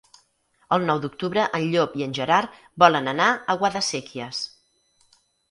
El nou d'octubre en Llop i en Gerard volen anar a Guadasséquies.